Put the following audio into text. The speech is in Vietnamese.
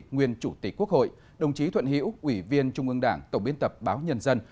nguyên chủ tịch quốc hội đồng chí thuận hiễu ủy viên trung ương đảng tổng biên tập báo nhân dân